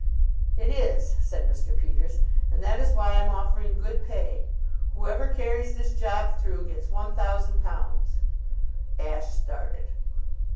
"It is," said Mr. Peters; "and that is why I'm offering good pay. Whoever carries this job through gets one thousand pounds." Ashe started.